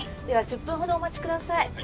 では１０分ほどお待ちください。